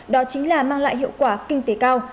đó chính là mang lại hiệu quả kinh tế cao